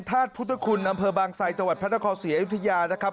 ธาตุพุทธคุณอำเภอบางไซจังหวัดพระนครศรีอยุธยานะครับ